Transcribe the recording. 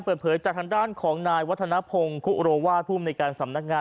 เปิดเผยจากทางด้านของนายวัฒนภงคุโรวาสภูมิในการสำนักงาน